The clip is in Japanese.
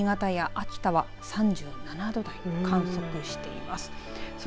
新潟や秋田は３７度台を観測しています。